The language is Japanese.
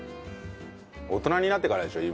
大人になってからでしょ